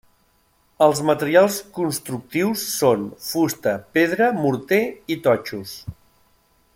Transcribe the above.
Els materials constructius són: fusta, pedra, morter i totxos.